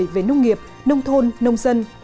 về nông nghiệp nông thôn nông dân